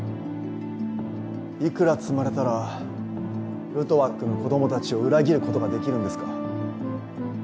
幾ら積まれたらルトワックの子供たちを裏切ることができるんですか。